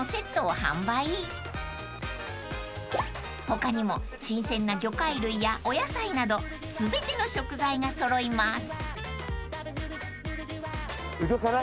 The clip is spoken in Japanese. ［他にも新鮮な魚介類やお野菜など全ての食材が揃います］